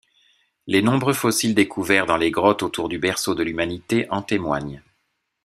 Les nombreux fossiles découverts dans les grottes autour du Berceau de l'Humanité en témoignent.